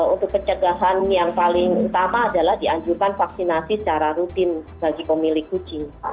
untuk pencegahan yang paling utama adalah dianjurkan vaksinasi secara rutin bagi pemilik kucing